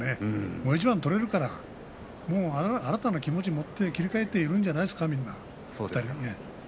もう一番取れるから新たな気持ちを持って切り替えているんじゃないですか。